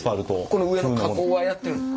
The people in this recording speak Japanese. この上の加工はやってるんですか？